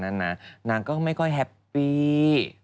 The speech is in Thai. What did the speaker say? นั้นนะนางก็ไม่ค่อยแฮปปี้